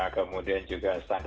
kemudian juga standar